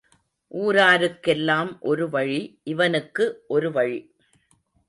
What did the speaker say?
ஊராருக்கெல்லாம் ஒரு வழி இவனுக்கு ஒரு வழி.